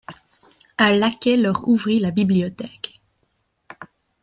Un laquais leur ouvrit la bibliothèque.